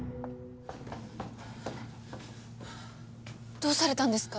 どうされたんですか？